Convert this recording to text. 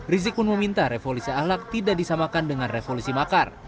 rizik pun meminta revolusi ahlak tidak disamakan dengan revolusi makar